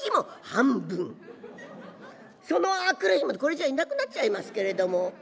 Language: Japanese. その明くる日もこれじゃいなくなっちゃいますけれども。